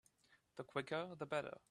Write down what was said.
The quicker the better.